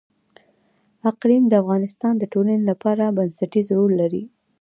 اقلیم د افغانستان د ټولنې لپاره بنسټيز رول لري.